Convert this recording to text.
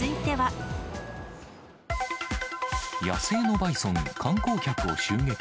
野生のバイソン、観光客を襲撃。